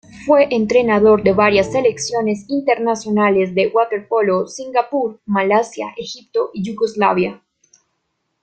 Fue entrenador de varias selecciones internacionales de waterpolo: Singapur, Malasia, Egipto y Yugoslavia.